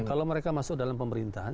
kalau masuk dalam pemerintahan